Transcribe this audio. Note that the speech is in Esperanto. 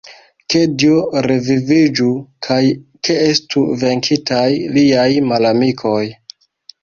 Ke Dio reviviĝu kaj ke estu venkitaj liaj malamikoj!